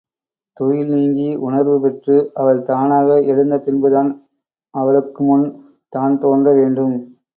துயில் நீங்கி உணர்வு பெற்று அவள் தானாக எழுந்த பின்புதான் அவளுக்குமுன் தான் தோன்ற வேண்டும்.